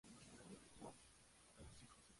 Cápsulas elipsoides hasta obovoides.